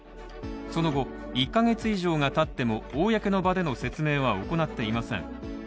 その後、１カ月以上がたっても公の場での説明は行っていません。